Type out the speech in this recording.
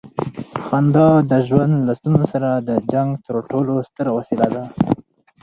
خندا د ژوند له ستونزو سره د جنګ تر ټولو ستره وسیله ده.